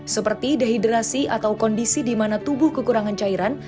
seperti dehidrasi atau kondisi di mana tubuh kekurangan cairan